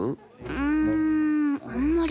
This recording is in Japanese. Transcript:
うーんあんまり。